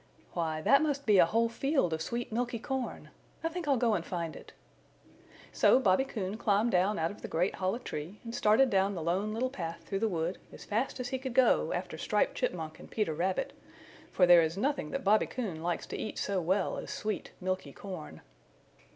"Why, that must be a whole field of sweet milky corn. I think I'll go and find it." So Bobby Coon climbed down out of the great hollow tree and started down the Lone Little Path through the wood as fast as he could go after Striped Chipmunk and Peter Rabbit, for there is nothing that Bobby Coon likes to eat so well as sweet milky corn.